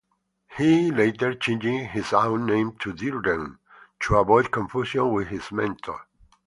He later changed his own name to Dearden to avoid confusion with his mentor.